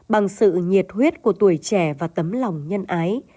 bằng sự nhiệt huyết của tuổi trẻ và tấm lòng nhân ái